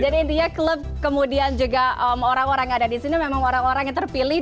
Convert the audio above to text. jadi intinya klub kemudian juga orang orang yang ada di sini memang orang orang yang terpilih